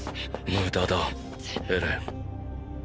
無駄だエレン。